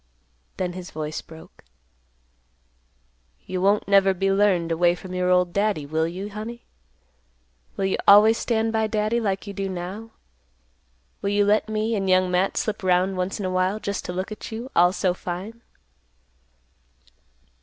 Then his voice broke; "You won't never be learned away from your old Daddy, will you, honey? Will you always stand by Daddy, like you do now? Will you let me and Young Matt slip 'round once in a while, just to look at, you, all so fine?"